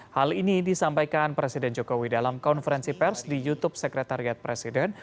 hal ini disampaikan presiden jokowi dalam konferensi pers di youtube sekretariat presiden